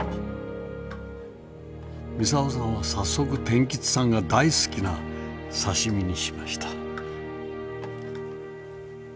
操さんは早速天吉さんが大好きな刺身にしました。